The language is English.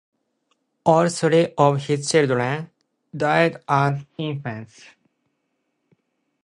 All three of his children died as infants.